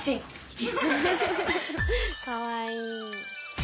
かわいい。